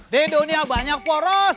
di dunia banyak poros